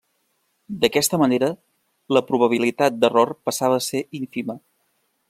D'aquesta manera, la probabilitat d'error passava a ser ínfima.